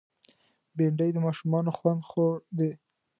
بېنډۍ د ماشومانو خوند خوړ دی